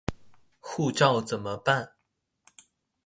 護照怎麼辦